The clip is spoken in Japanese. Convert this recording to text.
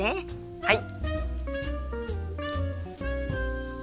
はい！